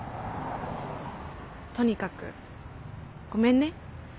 とにかくごめんね。